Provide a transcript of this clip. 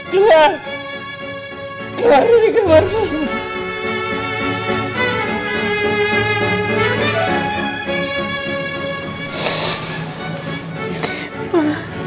keluar keluar dari kamar mama